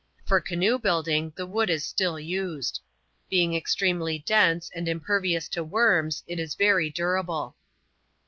For canoe building, the wood is still used. Being extremely dense, and impervious to worms, it is very durable.